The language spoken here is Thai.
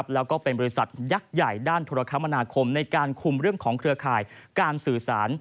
แล้วก็เป็นบริษัทยักษ์ใหญ่ด้านธุรกรรมนาคมในการคุมเรื่องของเครือข่ายการสื่อสาร